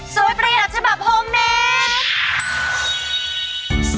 ประหยัดฉบับโฮมเนส